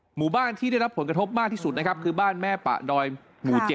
หมู่บ้านที่ได้รับผลกระทบมากที่สุดนะครับคือบ้านแม่ปะดอยหมู่๗